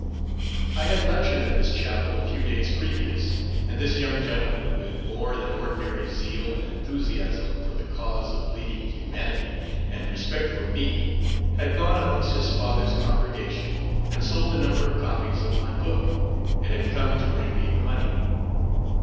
I had lectured in this chapel a few days previous; and this young gentleman, with more than ordinary zeal and enthusiasm for the cause of bleeding humanity, and respect for me, had gone amongst his father's congregation and sold a number of copies of my book, and had come to bring me the money.